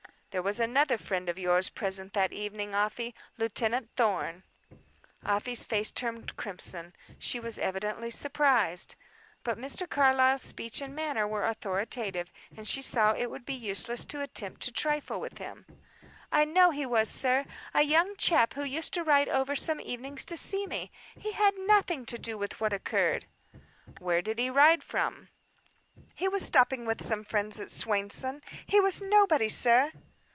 "There was another friend of yours present that evening, Afy. Lieutenant Thorn." Afy's face turned crimson; she was evidently surprised. But Mr. Carlyle's speech and manner were authoritative, and she saw it would be useless to attempt to trifle with him. "I know he was, sir. A young chap who used to ride over some evenings to see me. He had nothing to do with what occurred." "Where did he ride from?" "He was stopping with some friends at Swainson. He was nobody, sir."